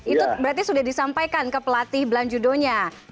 itu berarti sudah disampaikan ke pelatih belan judonya